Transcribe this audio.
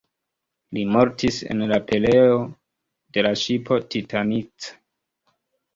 Li mortis en la pereo de la ŝipo Titanic.